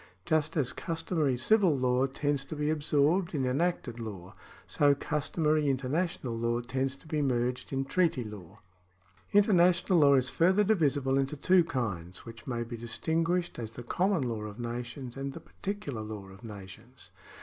Just as customary civil law tends to be absorbed in enacted law, so customary international law tends to be merged in treaty law. International law is further divisible into two kinds, which may be distinguished as the common law of nations and the particular law of nations.